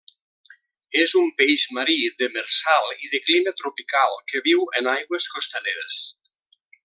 És un peix marí, demersal i de clima tropical que viu en aigües costaneres.